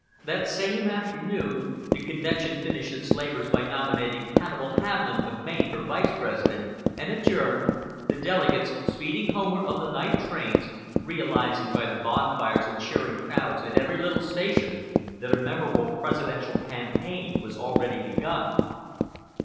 That same afternoon the convention finished its labors by nominating Hannibal Hamlin of Maine for Vice President, and adjourned the delegates, speeding homeward on the night trains, realizing by the bonfires and cheering crowds at every little station that a memorable Presidential campaign was already begun.